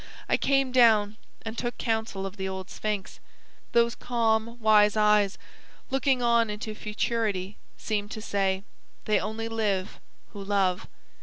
I came down and took counsel of the old Sphinx. Those calm, wise eyes, looking on into futurity, seemed to say: 'They only live who love.'